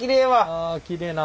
あきれいな。